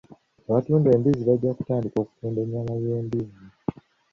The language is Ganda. Abatunda embizzi bajja kutandika okutunda ennyama y'embuzi.